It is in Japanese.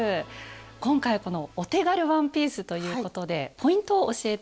今回「お手軽ワンピース」ということでポイントを教えて下さい。